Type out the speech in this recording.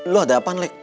lo ada apaan alex